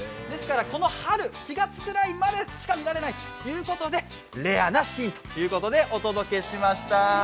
ですから、この春、４月ぐらいまでしか見られないということで、レアなシーンということでお届けしました。